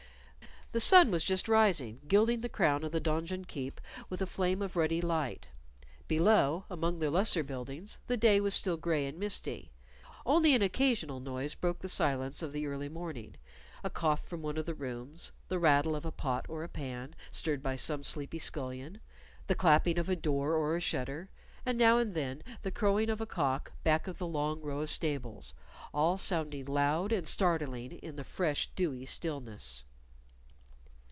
The sun was just rising, gilding the crown of the donjon keep with a flame of ruddy light. Below, among the lesser buildings, the day was still gray and misty. Only an occasional noise broke the silence of the early morning: a cough from one of the rooms; the rattle of a pot or a pan, stirred by some sleepy scullion; the clapping of a door or a shutter, and now and then the crowing of a cock back of the long row of stables all sounding loud and startling in the fresh dewy stillness.